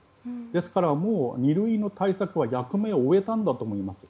ですからもう二類の対策は役目を終えたんだと思います。